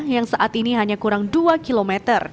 yang saat ini hanya kurang dua km